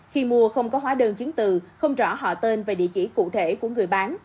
khi mua không có hóa đơn chứng từ không rõ họ tên và địa chỉ cụ thể của người bán